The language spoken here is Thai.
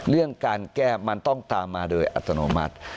เรื่องการแก้มันต้องตามมาโดยอัตโนมัติ